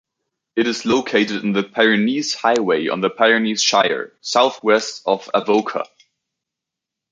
It is located on the Pyrenees Highway in the Pyrenees Shire, south-west of Avoca.